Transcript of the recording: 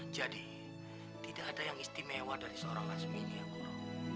jadi tidak ada yang istimewa dari seorang lasmini anggoro